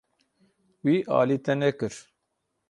Wî alî te nekir.